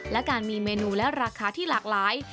และการมีเมนูและราคาที่หลากหลาย